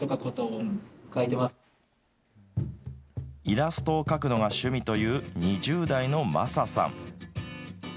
イラストを描くのが趣味という、２０代のまささん。